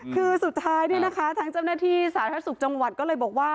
คือสุดท้ายเนี่ยนะคะทางเจ้าหน้าที่สาธารณสุขจังหวัดก็เลยบอกว่า